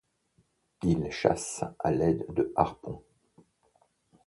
Ils chassent à l'aide de harpons.